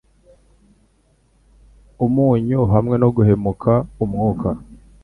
umunyu hamwe no guhumeka umwuka